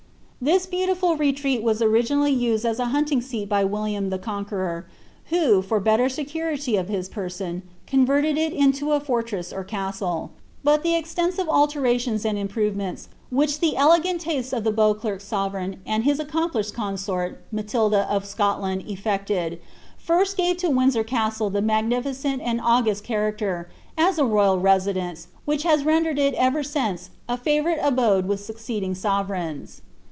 107 This beautifal retreat was originally used as a hunting eeat by William the Conqueror, who, for better security of his person, converted it into a fortress or castle; but the extensive alterations and improvements which the elegant tastes of the Beauclerc sovereign and his accomplished consort Matilda of Scotland effected, first gave to Windsor Castle the magnificent and august character, as a royal residence, which has ren dered it ever since a fiivourite abode with succeeding sovereigns.